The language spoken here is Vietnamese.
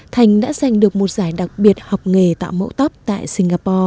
thành đã giành được một giải đặc biệt học nghề tạo mẫu tóc tại singapore